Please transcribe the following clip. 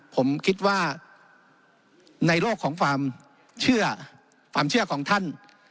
ผมคิดว่าในโลกของความเชื่อความเชื่อของท่าน